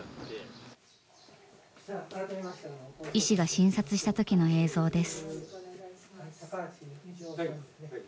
医師が診察した時の映像です。